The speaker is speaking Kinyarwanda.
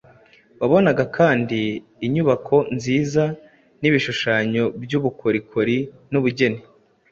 Wabonaga kandi inyubako nziza n’ibishushanyo by’ubukorokori n’ubugeni